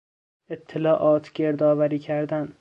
اطلاعات گردآوری کردن